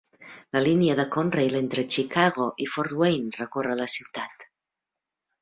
La línia de Conrail entre Chicago i Fort Wayne recorre la ciutat.